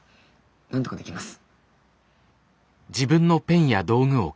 なんとかできます。